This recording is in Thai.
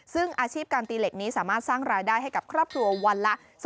ซึ่งอาชีพการตีเหล็กนี้สามารถสร้างรายได้ให้กับครอบครัววันละ